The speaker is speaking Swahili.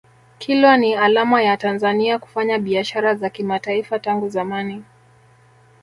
kilwa ni alama ya tanzania kufanya biashara za kimataifa tangu zamani